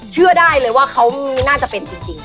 เชื่อได้เลยว่าเขาน่าจะเป็นจริง